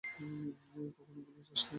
কখনো ভুলে যাস না।